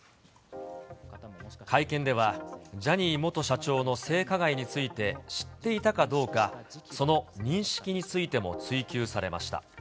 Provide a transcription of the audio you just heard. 会見では、ジャニー元社長の性加害について知っていたかどうか、その認識についても追及されました。